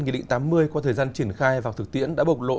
nghị định tám mươi qua thời gian triển khai và thực tiễn đã bộc lộ